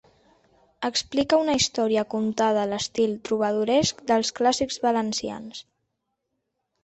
Explica una història contada a l'estil trobadoresc dels clàssics valencians.